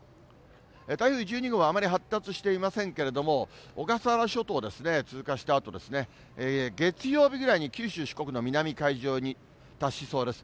台風１２号はあまり発達していませんけれども、小笠原諸島を通過したあとですね、月曜日ぐらいに九州、四国の南海上に達しそうです。